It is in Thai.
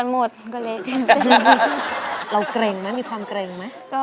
อย่าไปเก่ง